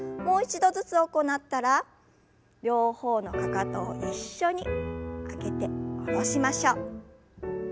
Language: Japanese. もう一度ずつ行ったら両方のかかとを一緒に上げて下ろしましょう。